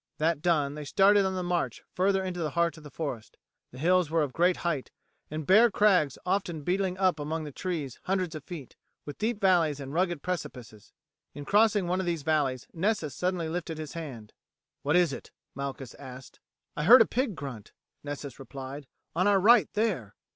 That done they started on the march further into the heart of the forest. The hills were of great height, with bare crags often beetling up among the trees hundreds of feet, with deep valleys and rugged precipices. In crossing one of these valleys Nessus suddenly lifted his hand. "What is it?" Malchus asked. "I heard a pig grunt," Nessus replied, "on our right there."